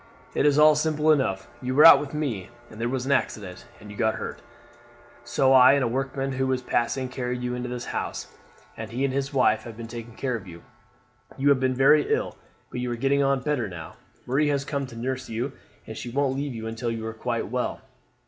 It is all simple enough. You were out with me, and there was an accident, and you got hurt. So I and a workman who was passing carried you into his house, and he and his wife have been taking care of you. You have been very ill, but you are getting on better now. Marie has come to nurse you, and she won't leave you until you are quite well.